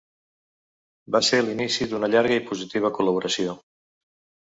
Va ser l'inici d'una llarga i positiva col·laboració.